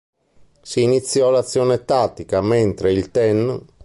Si iniziò l'azione tattica, mentre il ten.